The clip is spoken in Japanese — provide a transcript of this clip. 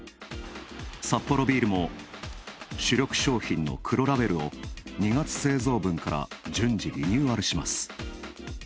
サッポロビールも主力商品の黒ラベルを２月製造分から順次リニューアルします。